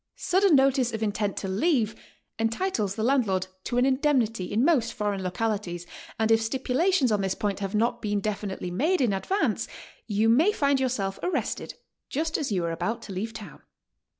.Sudden notice of intent to leave entitles the landlord to an indemnity in most foreign localities, and if stipulations on this point have not been definitely made in advance, you may find yourself arrested just as you are about to leave town.